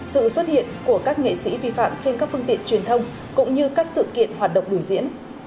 sự xuất hiện của các nghệ sĩ vi phạm trên các phương tiện truyền thông cũng như các sự kiện hoạt động biểu diễn